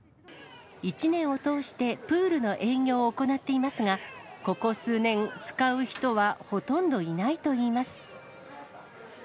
１年を通してプールの営業を行っていますが、ここ数年、使う人はほとんどいないといいます。